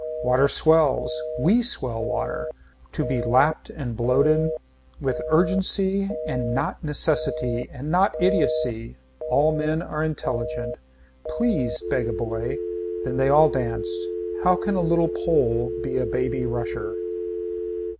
Water swells. We swell water. To be lapped and bloated. With urgency and not necessity and not idiocy. All men are intelligent. Please beg a boy. Then they all danced. How can a little Pole be a baby rusher.